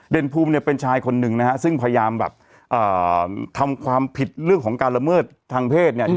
ภูมิเนี่ยเป็นชายคนหนึ่งนะฮะซึ่งพยายามแบบทำความผิดเรื่องของการละเมิดทางเพศเนี่ย